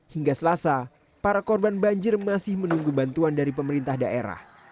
hingga selasa para korban banjir masih menunggu bantuan dari pemerintah daerah